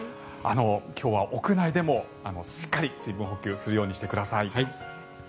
今日は屋内でもしっかりと水分補給してください。